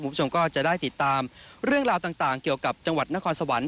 คุณผู้ชมก็จะได้ติดตามเรื่องราวต่างเกี่ยวกับจังหวัดนครสวรรค์